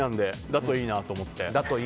だといいなと思って。